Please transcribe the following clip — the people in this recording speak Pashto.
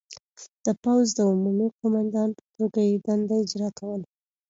د پوځ د عمومي قوماندان په توګه یې دنده اجرا کوله.